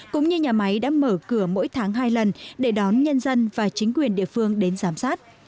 cũng như nhà máy đã mở cửa mỗi tháng hai lần để đón nhân dân và chính quyền địa phương đến giám sát